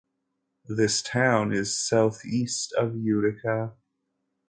This town is southeast of Utica.